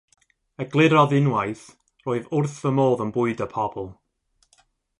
Eglurodd unwaith, Rwyf wrth fy modd yn bwydo pobl.